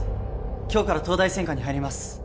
今日から東大専科に入ります